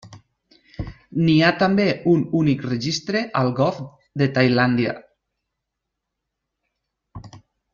N'hi ha també un únic registre al golf de Tailàndia.